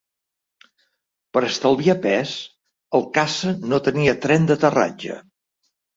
Per estalviar pes, el caça no tenia tren d'aterratge.